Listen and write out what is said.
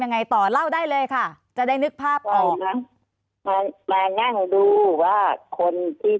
ยังไงต่อเล่าได้เลยค่ะจะได้นึกภาพออกนะมามานั่งดูว่าคนที่